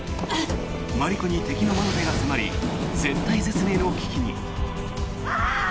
マリコに敵の魔の手が迫り絶体絶命の危機に。